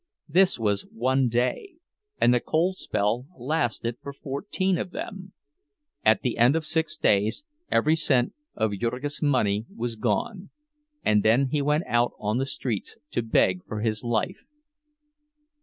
This was one day, and the cold spell lasted for fourteen of them. At the end of six days every cent of Jurgis' money was gone; and then he went out on the streets to beg for his life.